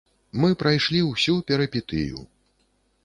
Мы прайшлі ўсю перыпетыю.